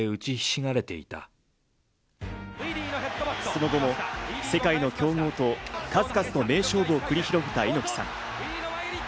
その後も世界の強豪と数々の名勝負を繰り広げた猪木さん。